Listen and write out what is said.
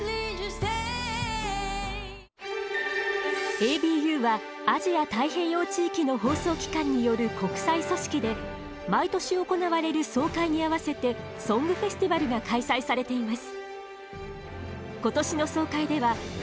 ＡＢＵはアジア太平洋地域の放送機関による国際組織で毎年行われる総会に合わせてソングフェスティバルが開催されています。